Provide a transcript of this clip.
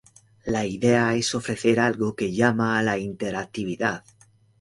La idea es ofrecer algo que llama a la interactividad".